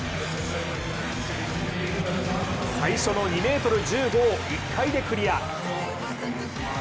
最初の２ｍ１５を１回でクリア。